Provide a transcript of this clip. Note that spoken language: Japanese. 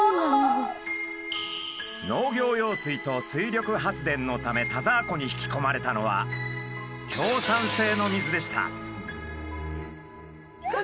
農業用水と水力発電のため田沢湖に引きこまれたのは強酸性の水でした。